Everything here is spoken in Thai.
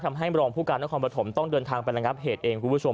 ทำให้บรองผู้การและความประถมต้องเดินทางไปละครับเหตุเองคุณผู้ชม